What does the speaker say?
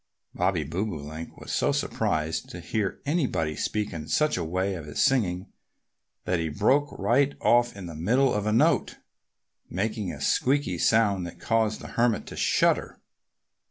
Bobby Bobolink was so surprised to hear anybody speak in such a way of his singing that he broke right off in the middle of a note, making a squeaky sound that caused the Hermit to shudder.